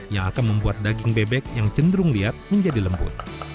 yang akan membuat daging bebek yang cenderung lihat menjadi lembut